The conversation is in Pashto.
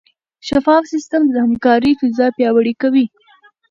شفاف سیستم د همکارۍ فضا پیاوړې کوي.